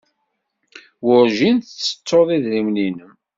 Werjin tettettuḍ idrimen-nnem.